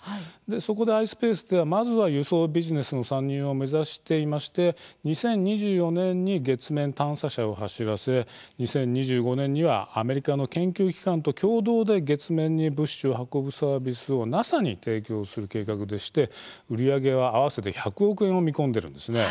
そこでｉｓｐａｃｅではまずは輸送ビジネスの参入を目指していまして２０２４年に月面探査車を走らせ２０２５年にはアメリカの研究機関と共同で月面に物資を運ぶサービスをＮＡＳＡに提供する計画でして売り上げは合わせて１００億円を見込んでいるんです。